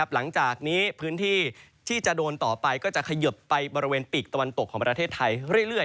หลังจากนี้พื้นที่ที่จะโดนต่อไปก็จะเขยิบไปบริเวณปีกตะวันตกของประเทศไทยเรื่อย